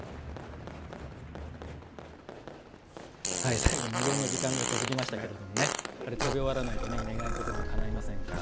最後、無言の時間が続きましたけどね食べ終わらないと願い事もかないませんから。